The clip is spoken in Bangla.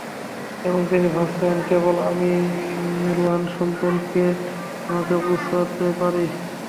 এবং তিনি ভাবছে কেবল আমিই রোহান সম্পর্কে, তোমাকে বোঝাতে পারি।